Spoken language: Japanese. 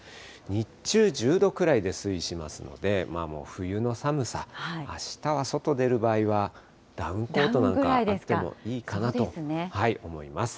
日中１０度くらいで推移しますので、もう冬の寒さ、あしたは外出る場合は、ダウンコートなんかあってもいいかなと思います。